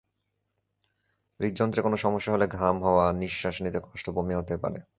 হৃদযন্ত্রে কোনো সমস্যা হলে ঘাম হওয়া, নিঃশ্বাস নিতে কষ্ট, বমি হতে পারে।